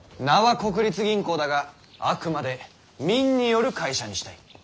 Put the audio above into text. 名は国立銀行だがあくまで民による会社にしたい。